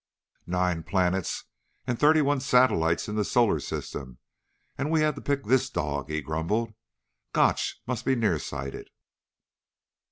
"Nine planets and thirty one satellites in the Solar System and we had to pick this dog," he grumbled. "Gotch must be near sighted."